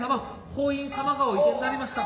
法印様がおいでになりました。